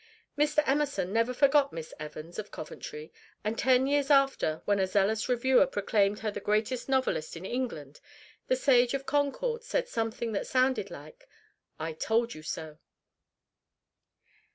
Mr. Emerson never forgot Miss Evans of Coventry, and ten years after, when a zealous reviewer proclaimed her the greatest novelist in England, the sage of Concord said something that sounded like "I told you so."